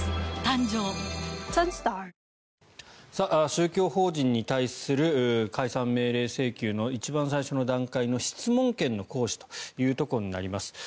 宗教法人に対する解散命令請求の一番最初の段階の質問権の行使というところになります。